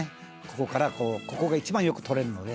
ここからこうここが一番よく取れるので」